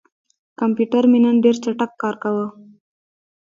کمپیوټر مې نن ډېر چټک کار کاوه.